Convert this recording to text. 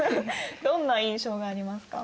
どんな印象がありますか？